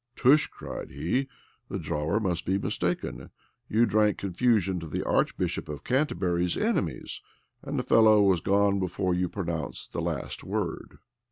"Tush!" cried he, "the drawer must be mistaken: you drank confusion to the archbishop of Canterbury's enemies and the fellow was gone before you pronounced the last word."